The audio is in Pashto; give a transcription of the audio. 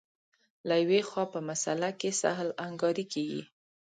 له یوې خوا په مسأله کې سهل انګاري کېږي.